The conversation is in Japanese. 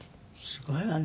すごいわね。